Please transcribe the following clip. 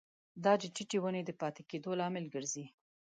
دا د ټیټې ونې د پاتې کیدو لامل ګرځي.